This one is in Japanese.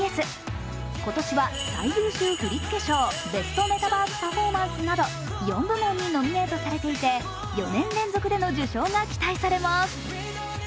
今年は最優秀振付賞、ベストメタバース・パフォーマンスなど４部門にノミネートされていて４年連続の受賞が期待されます。